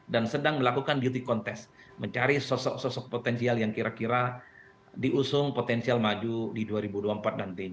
dan sedang melakukan duty contest mencari sosok sosok potensial yang kira kira diusung potensial maju di dua ribu dua puluh empat nanti